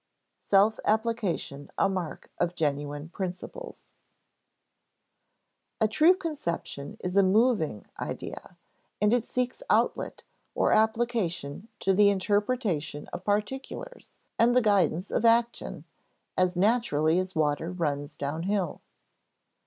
[Sidenote: Self application a mark of genuine principles] A true conception is a moving idea, and it seeks outlet, or application to the interpretation of particulars and the guidance of action, as naturally as water runs downhill.